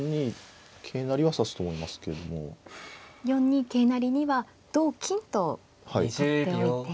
４二桂成には同金と取っておいて。